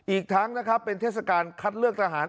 อีกทั้งนะครับเป็นเทศกาลคัดเลือกทหาร